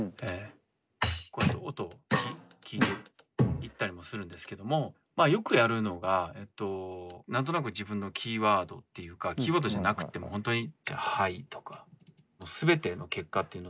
こうやって音を聴いていったりもするんですけどもまあよくやるのが何となく自分のキーワードっていうかキーワードじゃなくても本当にまあ